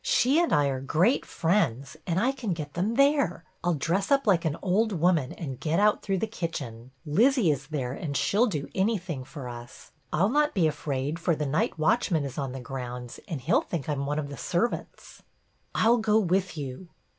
She and I are great friends, and I can get them there. I 'll dress up like an old woman and get out through the kitchen. Lizzie is there, and she 'll do anything for us. I 'll not be afraid, for the night watchman is on the grounds and he 'll think I 'm one of the servants." " I 'll go with you."